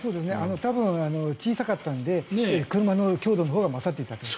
多分小さかったので車の強度のほうが勝っていたと。